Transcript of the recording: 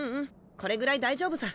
これぐらい大丈夫さ。